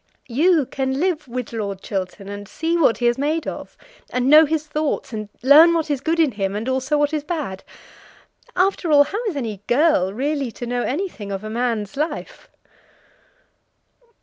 You can live with Lord Chiltern, and see what he is made of, and know his thoughts, and learn what is good in him, and also what is bad. After all, how is any girl really to know anything of a man's life?"